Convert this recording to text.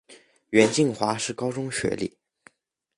袁敬华是高中学历。